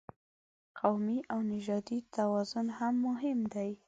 قومي او نژادي توازن هم مهم دی.